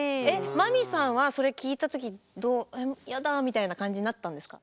真美さんはそれ聞いた時やだみたいな感じになったんですか？